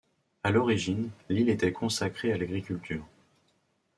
À l'origine, l’île était consacrée à l'agriculture.